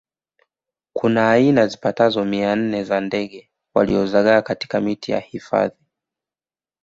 kuna aina zipatazo mia nne za ndege waliozagaa katika miti ya hifadhi